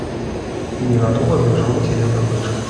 І не гатовы абмяжоўваць яе здабычу.